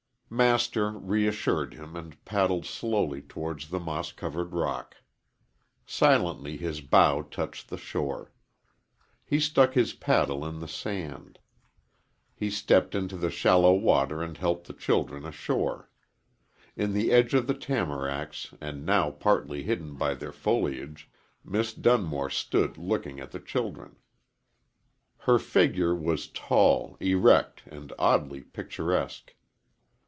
Master reassured him and paddled slowly towards the moss covered rock. Silently his bow touched the shore. He stuck his paddle in the sand. He stepped into the shallow water and helped the children ashore. In the edge of the tamaracks and now partly hidden by their foliage, Miss Dunmore stood looking at the children. Her figure was tall, erect, and oddly picturesque.